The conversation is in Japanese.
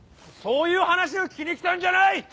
そういう話を聞きに来たんじゃない！